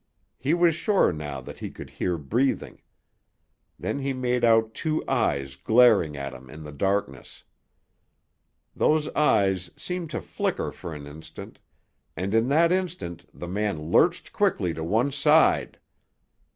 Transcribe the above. He was sure now that he could hear breathing. Then he made out two eyes glaring at him in the darkness. Those eyes seemed to flicker for an instant, and in that instant the man lurched quickly to one side.